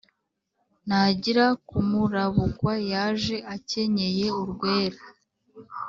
Ntangira kumurabukwa Yaje akenyeye urwera,